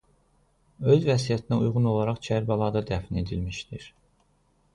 Öz vəsiyyətinə uyğun olaraq Kərbəlada dəfn edilmişdir.